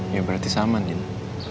ya berarti sama nina